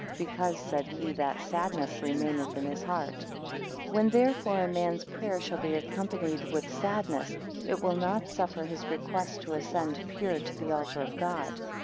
Because, said he, that sadness remaineth in his heart. 22 When therefore a man's prayer shall be accompanied with sadness, it will not suffer his requests to ascend pure to the altar of God.